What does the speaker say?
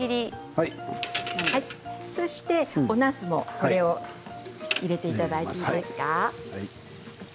そして、おなすも入れていただいていいですか。